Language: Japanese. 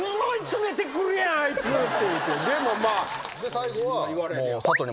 最後は。